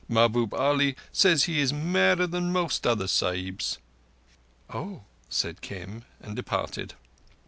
Mahbub Ali says he is madder than most other Sahibs." "Oh!" said Kim, and departed.